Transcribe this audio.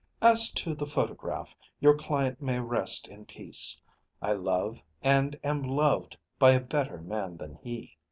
As to the photograph, your client may rest in peace. I love and am loved by a better man than he.